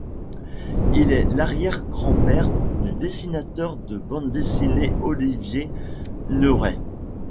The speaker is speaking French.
Il est l'arrière-grand-père du dessinateur de bandes dessinées Olivier Neuray.